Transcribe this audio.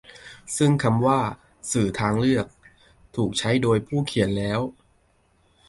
ซึ่งคำว่า 'สื่อทางเลือก' ถูกใช้โดยผู้เขียนแล้ว